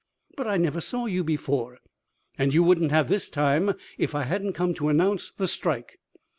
"But I never saw you before " "And you wouldn't have this time if I hadn't come to announce the strike.